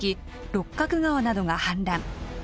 六角川などが氾濫。